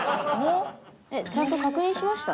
ちゃんと確認しました？